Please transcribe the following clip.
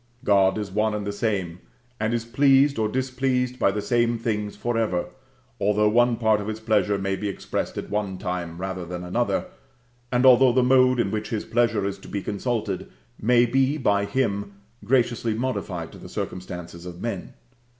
God is one and the same, and is pleased or displeased by the same things for ever, although one part of His pleasure may be expressed at one time rather than another, and although the mode in which His pleasure is to be consulted may be by Him graciously modified to the circumstances of men.